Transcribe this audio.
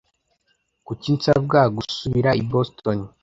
Kuki nsabwa gusubira i Boston?